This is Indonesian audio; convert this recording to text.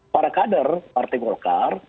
para kader partai golkar